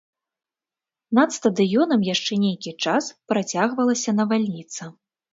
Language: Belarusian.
Над стадыёнам яшчэ нейкі час працягвалася навальніца.